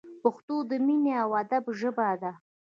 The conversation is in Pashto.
پښتو د مینې او ادب ژبه ده!